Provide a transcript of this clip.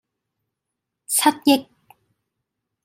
七億